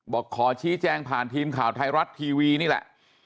บอกขอชี้แจงผ่านทีมข่าวไทยรัฐทีวีนี่แหละ